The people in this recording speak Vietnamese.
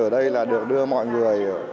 ở đây là được đưa mọi người